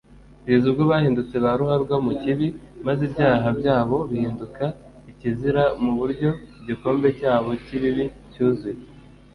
kugeza ubwo bahindutse ba ruharwa mu kibi, maze ibyaha byabo bihinduka ikizira, mu buryo igikombe cyabo cy'ibibi cyuzuye